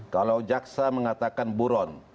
kalau jaksa mengatakan buron